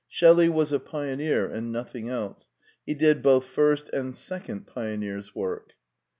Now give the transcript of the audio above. Shelley was a pioneer and nothing else : he did both first and second pioneer's work.